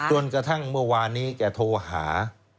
จนกระทั่งเมื่อวานนี้แกโทรหา